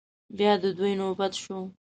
بيا د دوی نوبت شو.